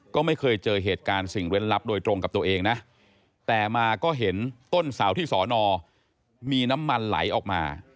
ก็ไม่เคยเจอเหตุการณ์สิ่งเล่นลับโดยตรงกับตัวเองนะแต่มาก็เห็นต้นเสาที่สอนอมีน้ำมันไหลออกมา